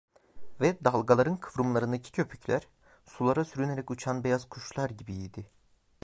Ve dalgaların kıvrımlarındaki köpükler, sulara sürünerek uçan beyaz kuşlar gibiydi.